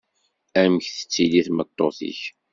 Amek tettili tmeṭṭut-ik?